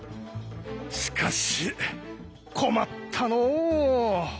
しかし困ったのう。